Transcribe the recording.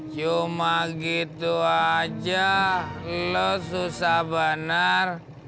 cuma gitu aja lo susah benar